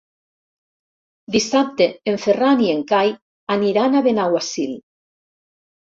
Dissabte en Ferran i en Cai aniran a Benaguasil.